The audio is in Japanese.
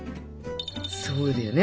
そうだよね。